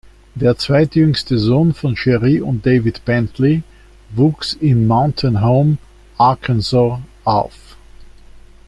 Der zweitjüngste Sohn von Cherie und David Bentley wuchs in Mountain Home, Arkansas, auf.